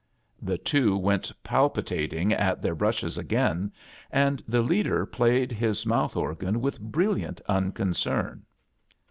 , The two went palpitatii^ at theh brush es a^rain, and the leader played his mouth organ with brilliant unconcern.